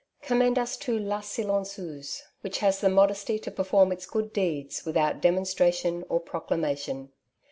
Commend us to ^^Tua Sileti cieuse" which has the modesty to perform its good deeds without demonstration or proclamation.